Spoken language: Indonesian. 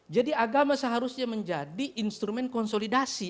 jadi agama seharusnya menjadi instrumen konsolidasi